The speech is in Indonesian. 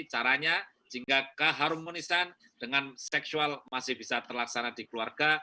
caranya jika keharmonisan dengan seksual masih bisa terlaksana di keluarga